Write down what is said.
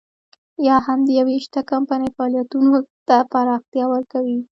یا هم د يوې شته کمپنۍ فعالیتونو ته پراختیا ورکوي.